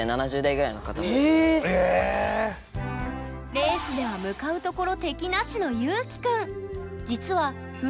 レースでは向かうところ敵なしのゆうきくん。